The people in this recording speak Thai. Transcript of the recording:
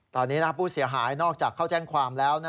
ตอนนี้ผู้เสียหายนอกจากเข้าแจ้งความแล้ว